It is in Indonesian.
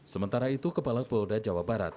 sementara itu kepala polda jawa barat